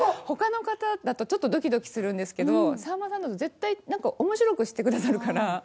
他の方だとちょっとドキドキするんですけどさんまさんだと絶対面白くしてくださるから。